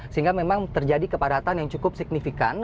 sehingga memang terjadi kepadatan yang cukup signifikan